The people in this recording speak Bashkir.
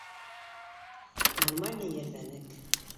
Нормально ерҙәнек.